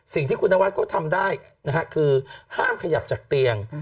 สิ่งที่คุณนวัดเขาทำได้นะฮะคือห้ามขยับจากเตียง